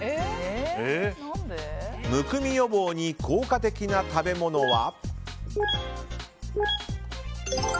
むくみ予防に効果的な食べ物は。